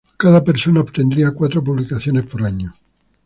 Cada persona obtendría cuatro publicaciones por año.